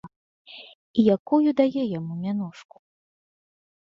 І якую дае яму мянушку?